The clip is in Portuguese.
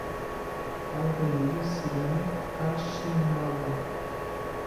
Albanir Sereno Kaxinawa